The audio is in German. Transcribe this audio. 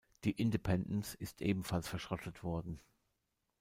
Die "Independence" ist ebenfalls verschrottet worden.